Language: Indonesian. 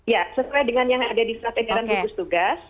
ya sesuai dengan yang ada di strategi tugas